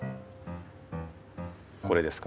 これですか？